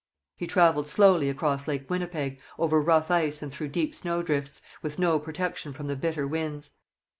He travelled slowly across Lake Winnipeg, over rough ice and through deep snowdrifts, with no protection from the bitter winds.